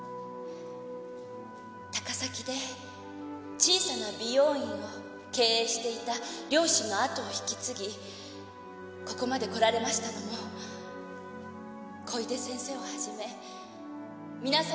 高崎で小さな美容院を経営していた両親の跡を引き継ぎここまで来られましたのも小出先生をはじめ皆様方の。